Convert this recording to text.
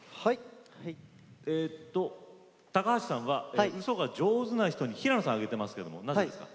えっと橋さんはうそが上手な人に平野さん挙げてますけどもなぜですか？